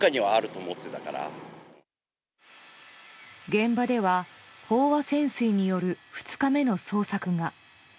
現場では飽和潜水による２日目の捜索が。